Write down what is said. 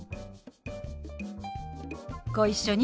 ご一緒に。